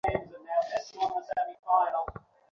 তিনি শিল্পকলার শিক্ষক হিসেবে যোগদান করেন।